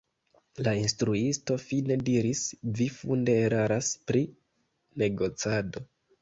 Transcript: La instruisto fine diris: “Vi funde eraras pri negocado.